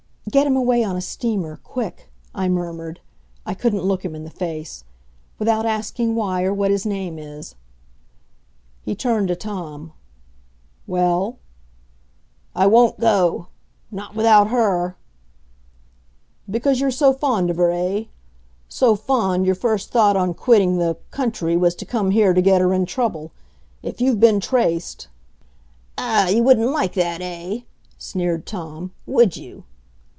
"Get him away on a steamer quick," I murmured I couldn't look him in the face "without asking why, or what his name is." He turned to Tom. "Well?" "I won't go not without her." "Because you're so fond of her, eh? So fond, your first thought on quitting the country was to come here to get her in trouble. If you've been traced " "Ah! You wouldn't like that, eh?" sneered Tom. "Would you?"